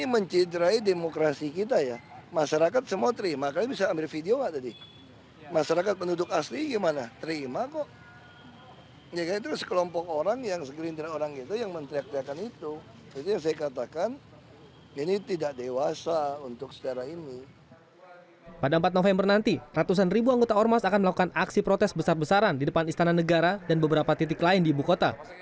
pada empat november nanti ratusan ribu anggota ormas akan melakukan aksi protes besar besaran di depan istana negara dan beberapa titik lain di ibu kota